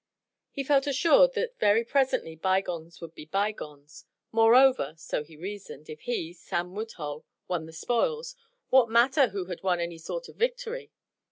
He felt assured that very presently bygones would be bygones. Moreover so he reasoned if he, Sam Woodhull, won the spoils, what matter who had won any sort of victory?